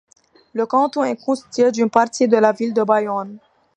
Le canton est constitué d'une partie de la ville de Bayonne.